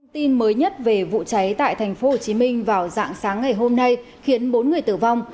tin mới nhất về vụ cháy tại tp hcm vào dạng sáng ngày hôm nay khiến bốn người tử vong